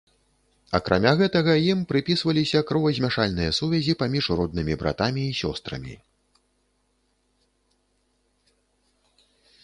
Акрамя гэтага, ім прыпісваліся кровазмяшальныя сувязі паміж роднымі братамі і сёстрамі.